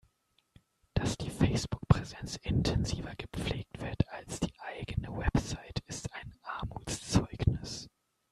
Dass die Facebook-Präsenz intensiver gepflegt wird als die eigene Website, ist ein Armutszeugnis.